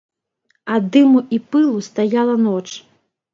Ад дыму і пылу стаяла ноч.